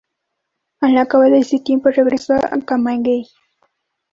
Al cabo de ese tiempo regresó a Camagüey.